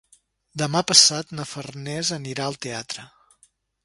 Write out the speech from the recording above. Demà passat na Farners anirà al teatre.